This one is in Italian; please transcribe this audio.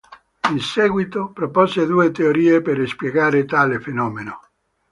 In seguito propose due teorie per spiegare tale fenomeno.